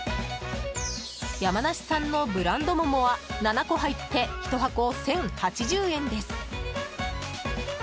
山梨産のブランド桃は７個入って１箱１０８０円です。